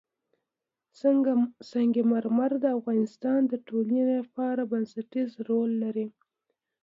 سنگ مرمر د افغانستان د ټولنې لپاره بنسټيز رول لري.